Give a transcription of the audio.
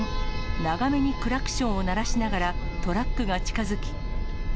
長めにクラクションを鳴らしながらトラックが近づき。